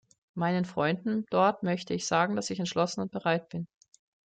Meinen Freunden dort möchte ich sagen, dass ich entschlossen und bereit bin.